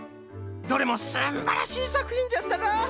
どれもすんばらしいさくひんじゃったな。